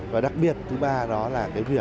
và đặc biệt thứ ba đó là